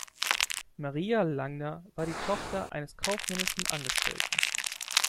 Maria Langner war die Tochter eines kaufmännischen Angestellten.